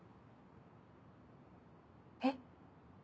えっ？